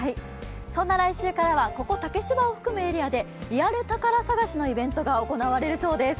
そんな来週からは、ここ、竹芝を含むエリアでリアル宝探しのイベントが行われるそうです。